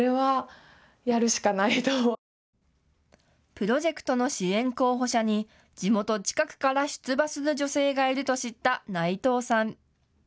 プロジェクトの支援候補者に地元近くから出馬する女性がいると知った内藤さん。